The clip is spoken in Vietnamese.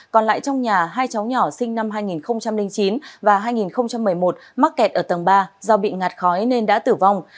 còn lại trong nhà hai cháu nhỏ sinh năm hai nghìn chín và hai nghìn một mươi một mắc kẹt ở tầng ba do bị ngạt khói nên đã tử vong